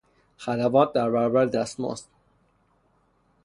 خدمات در برابر دستمزد